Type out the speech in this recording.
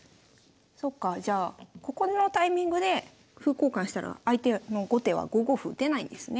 そっかじゃあここのタイミングで歩交換したら相手の後手は５五歩打てないんですね。